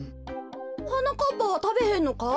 はなかっぱはたべへんのか？